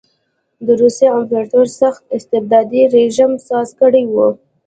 د روس امپراتور سخت استبدادي رژیم ساز کړی و.